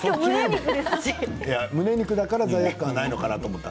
むね肉だから罪悪感がないのかなと思った。